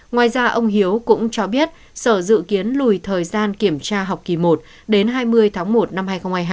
ngoài ra ông hiếu cũng cho biết sở dự kiến lùi thời gian kiểm tra học kỳ một đến hai mươi tháng một năm hai nghìn hai mươi hai